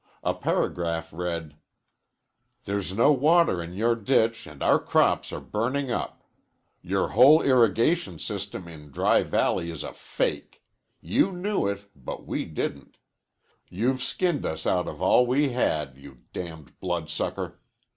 A paragraph read: There's no water in your ditch and our crops are burning up. Your whole irrigation system in Dry Valley is a fake. You knew it, but we didn't. You've skinned us out of all we had, you damned bloodsucker.